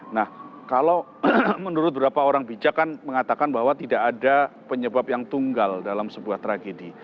nah kalau menurut beberapa orang bijak kan mengatakan bahwa tidak ada penyebab yang tunggal dalam sebuah tragedi